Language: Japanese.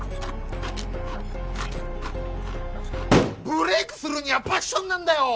ブレイクするにはパッションなんだよ！